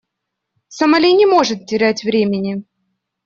Сомали не может терять времени.